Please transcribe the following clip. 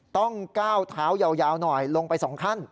ต้องก้าวเท้ายาวหน่อยลงไป๒ขั้น